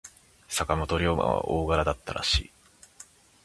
坂本龍馬は大柄だったらしい。